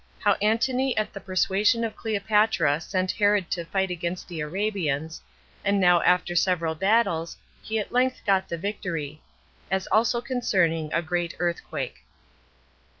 How Antony At The Persuasion Of Cleopatra Sent Herod To Fight Against The Arabians; And Now After Several Battles, He At Length Got The Victory. As Also Concerning A Great Earthquake.